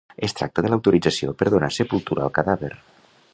Es tracta de l'autorització per donar sepultura al cadàver.